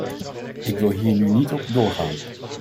Ik wil hier nu niet op doorgaan.